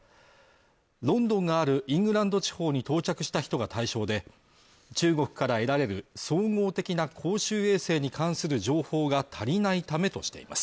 ロンドンがあるイングランド地方に到着した人が対象で中国から得られる総合的な公衆衛生に関する情報が足りないためとしています。